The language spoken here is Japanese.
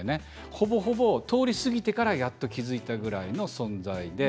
ほぼほぼ通り過ぎてからやっと気付いたくらいの存在で。